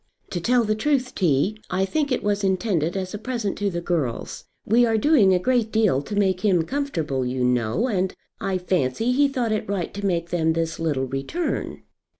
"To tell the truth, T., I think it was intended as a present to the girls. We are doing a great deal to make him comfortable, you know, and I fancy he thought it right to make them this little return."